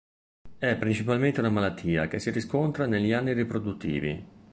È principalmente una malattia che si riscontra negli anni riproduttivi.